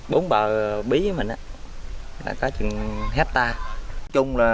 bốn bờ bí với mình á đã có chừng hectare